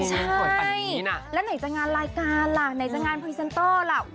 ใช่แล้วไหนจะงานรายการล่ะไหนจะงานพรีเซนเตอร์ล่ะ